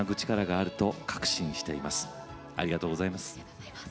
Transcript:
ありがとうございます。